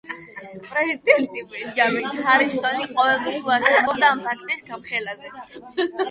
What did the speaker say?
პრეზიდენტი ბენჯამინ ჰარისონი ყოველთვის უარს ამბობდა ამ ფაქტის გამხელაზე.